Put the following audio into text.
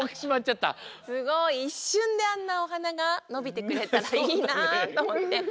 すごいいっしゅんであんなおはながのびてくれたらいいなとおもって。